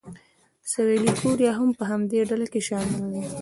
سویلي کوریا هم په همدې ډله کې شامل دی.